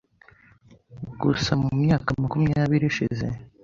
Gusa mu myaka makumyabiri ishize